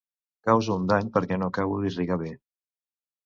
Causo un dany perquè no acabo d'irrigar bé.